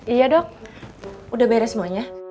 iya dok udah beres semuanya